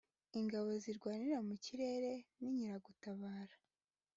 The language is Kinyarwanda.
Ingabo Zirwanira mu Kirere n’Inkeragutabara